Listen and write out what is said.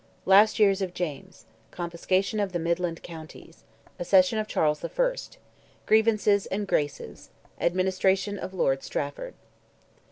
LAST YEARS OF JAMES—CONFISCATION OF THE MIDLAND COUNTIES—ACCESSION OF CHARLES I.—GRIEVANCES AND "GRACES"—ADMINISTRATION OF LORD STRAFFORD.